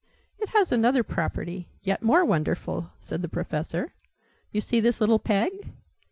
"It has another property, yet more wonderful," said the Professor. "You see this little peg?